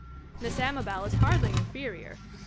Miss Amabel is hardly inferior.